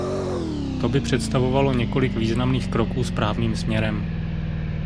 To by představovalo několik významných kroků správným směrem.